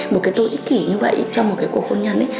một cái tôi ích kỷ như vậy trong một cuộc hôn nhân ấy